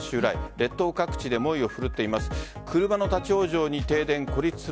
列島各地で猛威を振るっています。